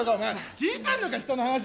聞いてるのか、人の話。